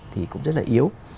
thì cũng rất là yếu